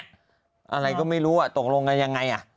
อะไรก็ไม่รู้อ่ะตกลงอะไรอย่างไรน่ะ